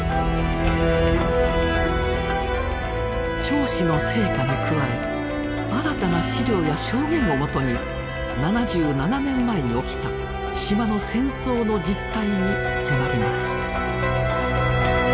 町史の成果に加え新たな資料や証言をもとに７７年前に起きた島の戦争の実態に迫ります。